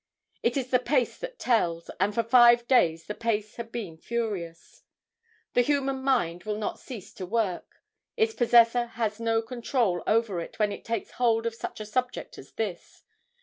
It is the pace that tells, and for five days the pace had been furious. The human mind will not cease to work. Its possessor has no control over it when it takes hold of such a subject as this.